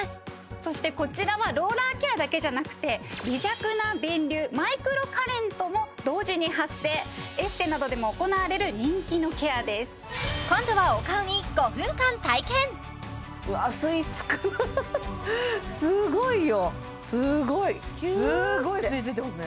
そしてこちらはローラーケアだけじゃなくて微弱な電流マイクロカレントも同時に発生エステなどでも行われる人気のケアです今度はお顔に５分間体験すごいキューッてすごい吸い付いてますね